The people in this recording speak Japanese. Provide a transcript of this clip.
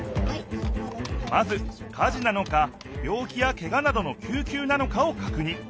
まず火事なのかびょう気やけがなどの救急なのかをかくにん。